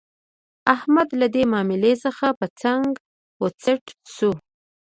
احمد له دې ماملې څخه په څنګ و څټ شو.